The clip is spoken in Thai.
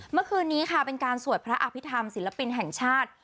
เมื่อคืนนี้ค่ะเป็นการสวดพระอภิษฐรรมศิลปินแห่งชาติ